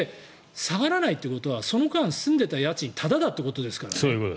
下がらないということはその間、住んでいた家賃がタダだということですからね。